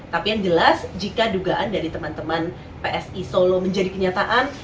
tapi yang jelas jika dugaan dari teman teman psi solo menjadi kenyataan